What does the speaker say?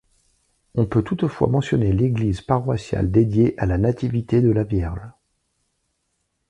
On peut toutefois mentionner l'église paroissiale dédiée à la nativité de la Vierge.